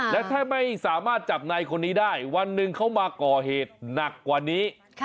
และถ้าไม่สามารถจับนายคนนี้ได้วันหนึ่งเขามาก่อเหตุหนักกว่านี้